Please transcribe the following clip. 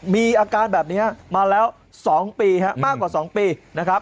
มีอาการแบบนี้มาแล้ว๒ปีมากกว่า๒ปีนะครับ